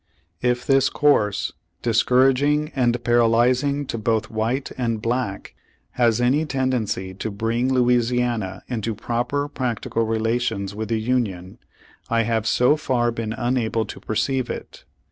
If this course, 19 Page One Huudred forty six discouraging and paralyzing to both white and black, has any tendency to bring Louisiana into proper practical rela tions with the Union, I have so far been unable to perceive it.